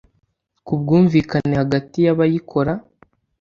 ku bwumvikane hagati y'abayikora